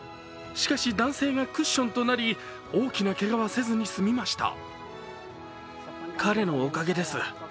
しかし男性がクッションとなり大きなけがはせずに済みました。